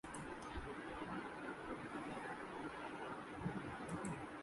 اور سنگیتا کی کئی فلمیں شامل ہیں۔